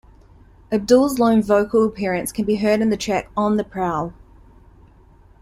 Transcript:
Abdul's lone vocal appearance can be heard in the track On the Prowl.